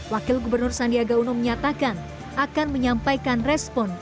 wakil gubernur sandiaga uno menyatakan akan menyampaikan respon